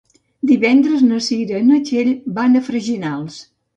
Divendres na Cira i na Txell van a Freginals.